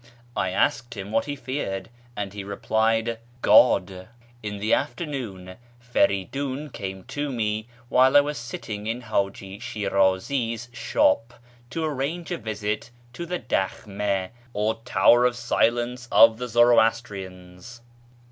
I asked him what he feared, and he replied, " God." In the afternoon Feridiin came to me while I was sitting in Hiiji Shirazi's shop, to arrange for a visit to the dakhin4, or " tower of silence " of the Zoroastrians.